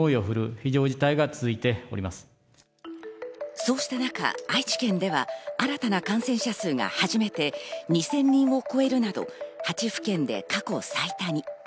そうした中、愛知県では新たな感染者数が初めて２０００人を超えるなど８府県で過去最多に。